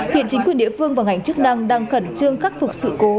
hiện chính quyền địa phương và ngành chức năng đang khẩn trương khắc phục sự cố